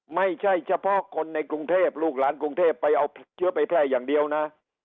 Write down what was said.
ไม่ใช่เฉพาะคนในกรุงเทพลูกหลานกรุงเทพไปเอาเชื้อไปแพร่อย่างเดียวนะ